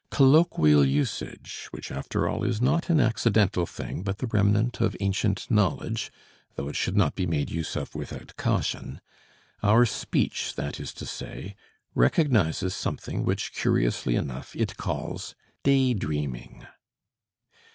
Colloquial usage which after all is not an accidental thing but the remnant of ancient knowledge, though it should not be made use of without caution our speech, that is to say, recognizes something which curiously enough it calls "day dreaming."